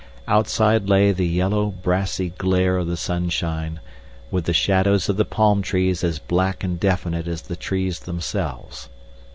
Outside lay the yellow, brassy glare of the sunshine, with the shadows of the palm trees as black and definite as the trees themselves.